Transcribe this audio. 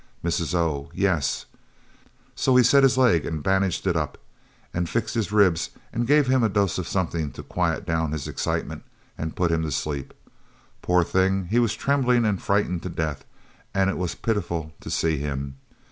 Mrs. O. "Yes. So he set his leg and bandaged it up, and fixed his ribs and gave him a dose of something to quiet down his excitement and put him to sleep poor thing he was trembling and frightened to death and it was pitiful to see him.